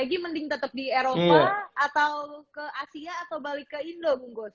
lagi mending tetap di eropa atau ke asia atau balik ke indo bung gus